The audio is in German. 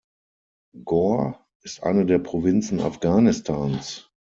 Ghor ist eine der Provinzen Afghanistans.